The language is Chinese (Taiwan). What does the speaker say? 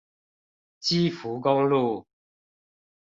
基福公路